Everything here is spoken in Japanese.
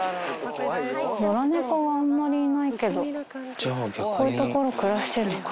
野良猫はあんまりいないけど、こういう所、暮らしてるのかな。